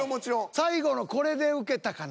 最後のこれでウケたかな。